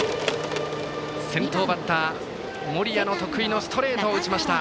先頭バッター、親富祖が森谷の得意のストレートを打ちました。